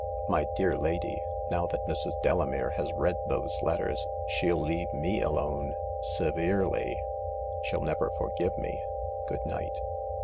" My dear lady, now that Mrs. Delamere has read those letters she'll leave me alone— severely. Shell never forgive me. Good night.